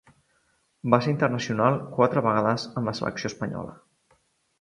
Va ser internacional quatre vegades amb la selecció espanyola.